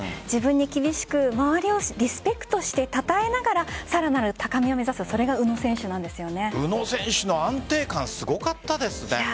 自分に厳しく周りをリスペクトしてたたえながら更なる高みを目指す宇野選手の安定感すごかったですね。